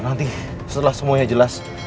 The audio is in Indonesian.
nanti setelah semuanya jelas